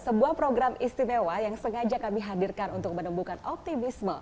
sebuah program istimewa yang sengaja kami hadirkan untuk menumbuhkan optimisme